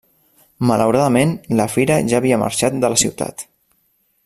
Malauradament, la fira ja havia marxat de la ciutat.